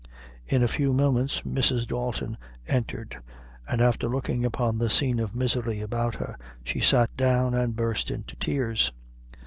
In a few moments Mrs. Dalton entered, and after looking upon the scene of misery about her, she sat down and burst into tears.